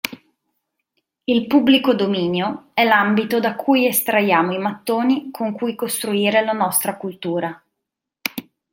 Il pubblico dominio è l‘ambito da cui estraiamo i mattoni con cui costruire la nostra cultura.